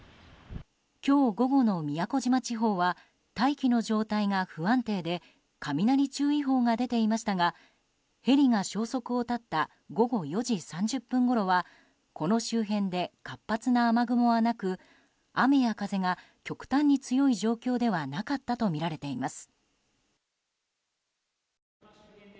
今日午後の宮古島地方は大気の状態が不安定で雷注意報が出ていましたがヘリが消息を絶った午後４時３０分ごろはこの周辺で活発な雨雲はなく雨や風が極端に強い状況ではなかったとみられています。